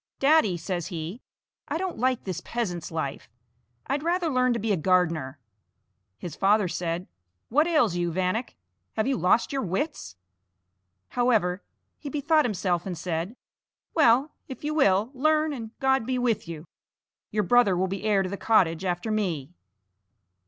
"Daddy," says he, "I don't like this peasant's life; I'd rather learn to be a gardener." His father said: "What ails you, Vanek? have you lost your wits?" However, he bethought himself and said: "Well, if you will, learn, and God be with you! Your brother will be heir to the cottage after me."